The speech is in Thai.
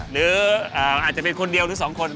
หรืออาจจะเป็นคนเดียวหรือ๒คน